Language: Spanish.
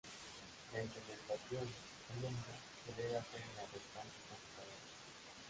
La implementación "alumno" se debe hacer en las restantes computadoras.